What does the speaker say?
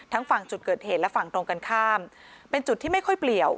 ฝั่งจุดเกิดเหตุและฝั่งตรงกันข้ามเป็นจุดที่ไม่ค่อยเปลี่ยว